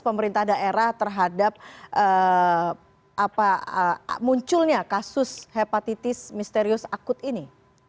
pemerintah daerah terhadap munculnya kasus hepatitis misterius akut ini